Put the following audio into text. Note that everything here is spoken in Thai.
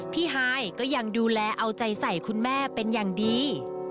ฮายก็ยังดูแลเอาใจใส่คุณแม่เป็นอย่างดี